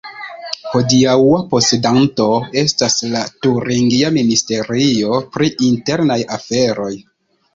Hodiaŭa posedanto estas la turingia ministerio pri internaj aferoj.